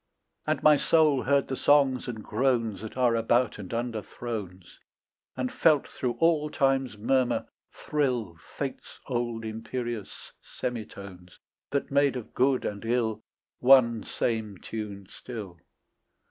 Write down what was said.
And my soul heard the songs and groans That are about and under thrones, And felt through all time's murmur thrill Fate's old imperious semitones That made of good and ill One same tune still.